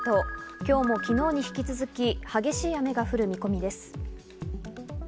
今日も昨日に引き続き、激しい雨が降る見込みです。